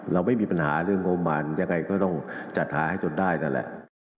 ไม่มีปัญหาเรื่องงบประมาณยังไงก็ต้องจัดหาให้จนได้นั่นแหละ